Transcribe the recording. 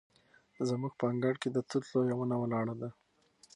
زموږ په انګړ کې د توت لویه ونه ولاړه ده.